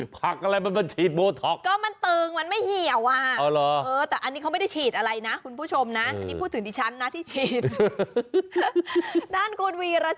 ผักอะไรมันก็ฉีดโบท็อก